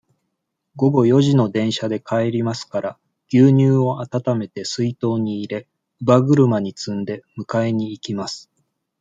午後四時の電車で帰りますから、牛乳をあたためて、水筒に入れ、乳母車に積んで、迎えに行きます。